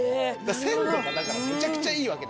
鮮度がだからむちゃくちゃいいわけなんです。